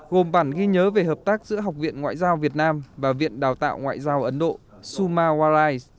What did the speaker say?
gồm bản ghi nhớ về hợp tác giữa học viện ngoại giao việt nam và viện đào tạo ngoại giao ấn độ sumawarai